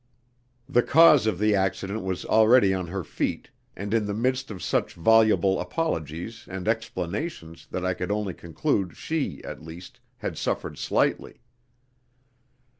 The cause of the accident was already on her feet, and in the midst of such voluble apologies and explanations that I could only conclude she, at least, had suffered slightly.